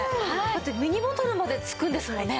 だってミニボトルまで付くんですもんね。